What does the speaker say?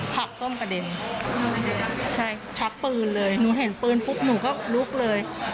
ผักส้มกระเด็นใช่ชักปืนเลยหนูเห็นปืนปุ๊บหนูก็ลุกเลย